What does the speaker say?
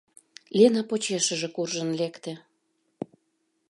Лена почешыже куржын лекте.